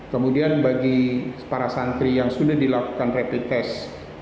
kemudian bagi para santri yang sudah dilakukan repites